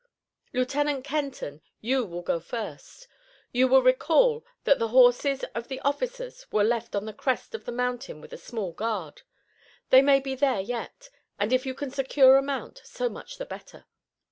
Lieutenant Kenton, you will go first. You will recall that the horses of the officers were left on the crest of the mountain with a small guard. They may be there yet, and if you can secure a mount, so much the better.